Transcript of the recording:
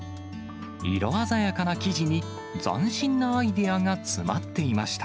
色鮮やかな生地に、斬新なアイデアが詰まっていました。